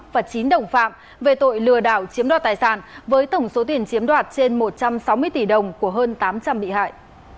và chín đồng phạm về tội lừa đảo chiếm đoạt tài sản với tổng số tiền chiếm đoạt trên một trăm sáu mươi tỷ đồng của hơn tám trăm linh bị hại